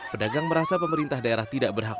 pedagang merasa pemerintah daerah tidak berhak